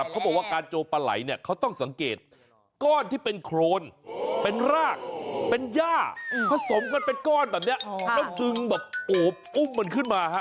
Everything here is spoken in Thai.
แต่ถ้าโจมทางอีสานคือ